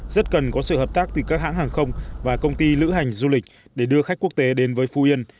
rất cần có sự hợp tác từ các hãng hàng không và công ty lữ hành du lịch để đưa khách quốc tế đến với phú yên